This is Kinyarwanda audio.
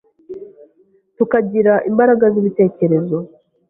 tukagira imbaraga z’ibitekerezo.